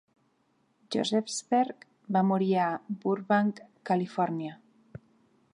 Josefsberg va morir a Burbank, Califòrnia.